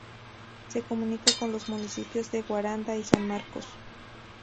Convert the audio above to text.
Se comunica con los municipios de Guaranda y San Marcos.